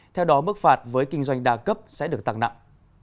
theo đó mức phạt với kinh doanh đa cấp sẽ được tăng nặng